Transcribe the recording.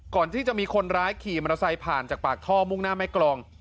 ก่อนที่จะมีคนร้ายขี่มอเตอร์ไซค์ผ่านจากปากท่อมุ่งหน้าแม่กรอง